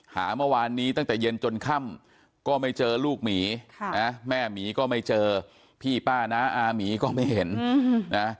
หาเมื่อวานนี้ตั้งแต่เย็นจนค่ำก็ไม่เจอลูกหมีแม่หมีก็ไม่เจอพี่ป้าน้าอาหมีก็ไม่เห็นนะ